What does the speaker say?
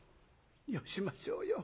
「よしましょうよ。